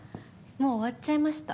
もう終わっちゃいました？